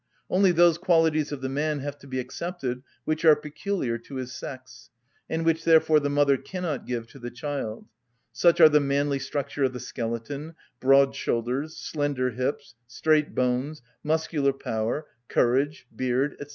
Only those qualities of the man have to be excepted which are peculiar to his sex, and which therefore the mother cannot give to the child: such are the manly structure of the skeleton, broad shoulders, slender hips, straight bones, muscular power, courage, beard, &c.